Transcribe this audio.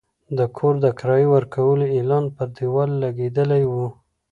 د کور د کرایې ورکولو اعلان پر دېوال لګېدلی و.